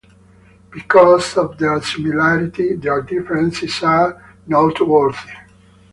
Because of their similarity, their differences are noteworthy.